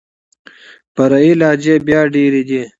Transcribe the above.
فرعي لهجې بيا ډېري دي.